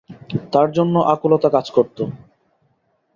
তার জন্য আকুলতা কাজ করতো?